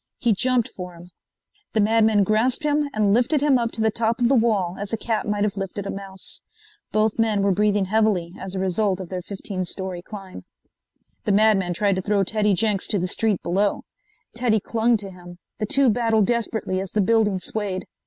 He jumped for him. The madman grasped him and lifted him up to the top of the wall as a cat might have lifted a mouse. Both men were breathing heavily as a result of their 15 story climb. The madman tried to throw Teddy Jenks to the street below. Teddy clung to him. The two battled desperately as the building swayed.